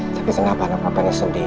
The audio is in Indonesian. tapi kenapa anak anaknya sedih